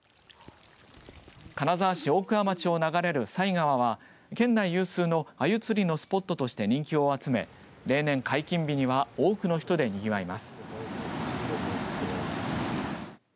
金沢市大桑町を流れる犀川は県内有数のあゆ釣りのスポットとして人気を集め例年、解禁日には多くの人でにぎわいます。